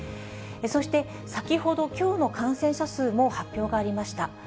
そして先ほど、きょうの感染者数も発表がありました。